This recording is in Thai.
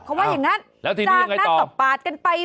เขาว่าอย่างนั้นจากนั้นก็ปาดกันไป